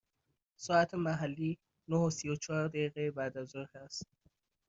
ساعت محلی نه و سی و چهار دقیقه بعد از ظهر است.